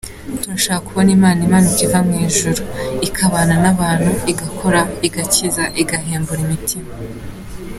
Turashaka kubona Imana imanuka iva mu ijuru, ikabana n’abantu, igakora, igakiza, igahembura imitima”.